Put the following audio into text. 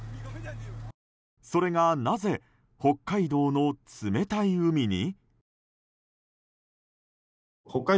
それがなぜ北海道の冷たい海に？